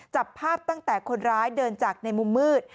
จับภาพตั้งแต่คนร้ายเดินจากในมุมมืด